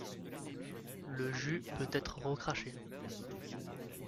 Le jus peut être recraché.